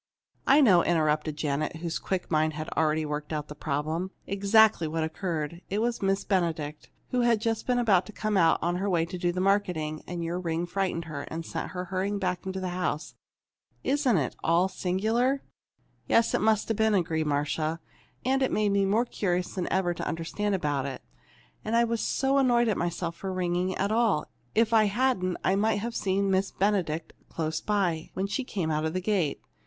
"I know," interrupted Janet, whose quick mind had already worked out the problem, "exactly what occurred. It was Miss Benedict, who had been just about to come out on her way to do the marketing. And your ring frightened her, and sent her hurrying back into the house. Isn't it all singular!" "Yes, that must have been it," agreed Marcia. "And it made me more curious than ever to understand about it. And I was so annoyed at myself for ringing at all. If I hadn't, I might have seen Miss Benedict close by, when she came out of the gate.